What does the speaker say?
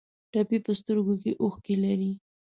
ټپي په سترګو کې اوښکې لري.